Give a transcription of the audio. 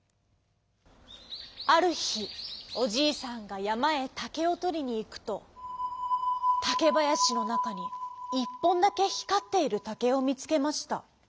あるひおじいさんがやまへたけをとりにいくとたけばやしのなかに１ぽんだけひかっているたけをみつけました。